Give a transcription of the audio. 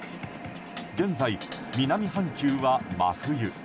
現在、南半球は真冬。